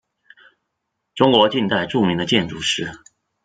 中国近代著名的建筑师。